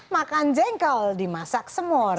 makan jengkol dimasak semur